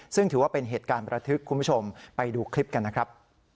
ซึ่งถือว่าเป็นเหตุการณ์ประทึกคุณผู้ชมไปดูคลิปกันนะครับ